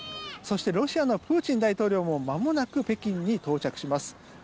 そしてロシアのプーチン大統領もまもなく北京に到着します。